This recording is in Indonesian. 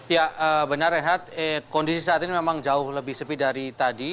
ya benar renhat kondisi saat ini memang jauh lebih sepi dari tadi